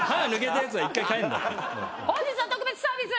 本日は特別サービス！